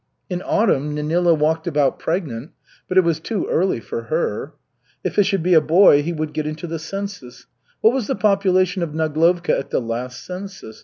In autumn Nenila walked about pregnant, but it was too early for her. If it should be a boy, he would get into the census. What was the population of Naglovka at the last census?